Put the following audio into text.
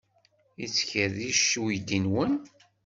Yettkerric uydi-nwen?